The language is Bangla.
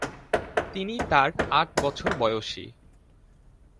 তিনি তার আট বছর বয়সী।